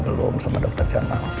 belum sama dokter jamal